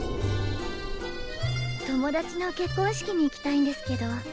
友達の結婚式に行きたいんですけど